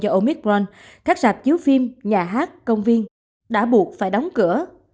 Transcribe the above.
do omicron các rạp chiếu phim nhà hát công viên đã buộc phải đóng cửa